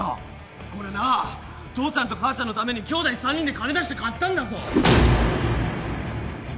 これな父ちゃんと母ちゃんのためにきょうだい３人で金出して買ったんだぞ。